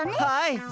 はい！